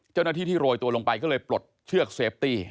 เจ้าหน้าที่ที่โรยตัวลงไปก็เลยปลดเชือกเซฟตี้